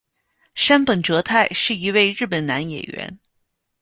杉本哲太是一位日本男演员。